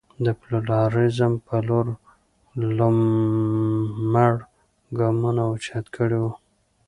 د پلورالېزم په لور لومړ ګامونه اوچت کړي وو.